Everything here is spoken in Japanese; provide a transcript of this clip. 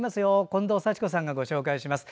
近藤幸子さんがご紹介します。